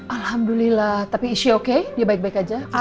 alhamdulillah tapi is she oke dia baik baik aja